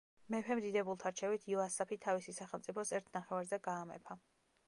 მეფემ დიდებულთა რჩევით იოასაფი თავისი სახელმწიფოს ერთ ნახევარზე გაამეფა.